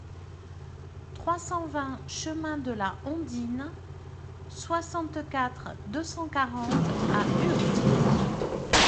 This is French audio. trois cent vingt chemin de la Hondine, soixante-quatre, deux cent quarante à Urt